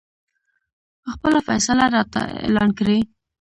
خپله فیصله راته اعلان کړي.